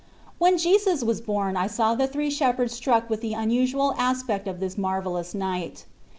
When Jesus was born I saw the three shepherds struck with the unusual aspect of this marvellous night.